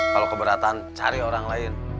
kalau keberatan cari orang lain